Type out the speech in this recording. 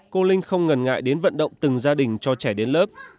cô linh không ngần ngại đến vận động từng gia đình cho trẻ đến lớp